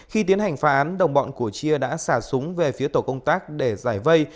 khi tiến hành phá án đồng bọn của chia đã xả súng về phía tổ công tác để giải vây